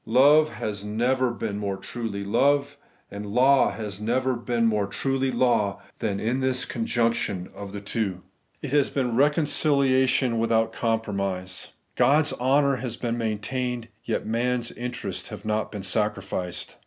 Love has never been more truly love, and law has never been more truly law, than in this conjunction of the two. It GocPs Answer to MarCs Question. 5 has been reconciliation without compromise. God's honour has been maintained, yet man's interests have not been sacrificed.